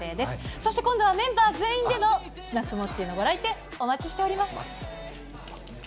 そして今度はメンバー全員でのスナックモッチーのご来店、お待ちしております。